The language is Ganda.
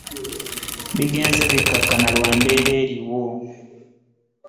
Bigenze bikkakkana lwa mbeera eriwo.